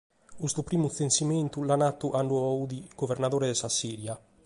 Custu primu tzensimentu dd’aiant fatu cando fiat guvernadore de sa Sìria.